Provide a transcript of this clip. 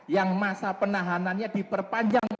yang masa penahanannya diperpanjang